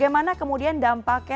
baru bagaimana kemudian dampaknya